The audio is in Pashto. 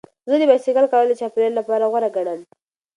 زه د بایسکل کارول د چاپیریال لپاره غوره ګڼم.